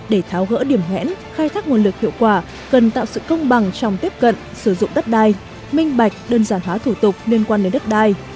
để tháo gỡ điểm hẽn khai thác nguồn lực hiệu quả cần tạo sự công bằng trong tiếp cận sử dụng đất đai minh bạch đơn giản hóa thủ tục liên quan đến đất đai